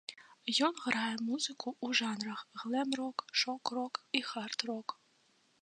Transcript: Ён грае музыку ў жанрах глэм-рок, шок-рок і хард-рок.